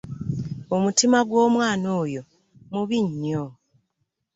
Omutima gw'omwana oyo mubi nnyo.